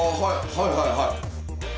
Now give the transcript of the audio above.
はいはいはい。